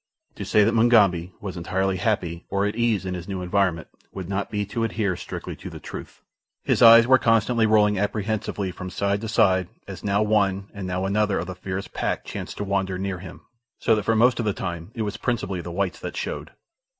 To say that Mugambi was entirely happy or at ease in his new environment would not be to adhere strictly to the truth. His eyes were constantly rolling apprehensively from side to side as now one and now another of the fierce pack chanced to wander near him, so that for the most of the time it was principally the whites that showed.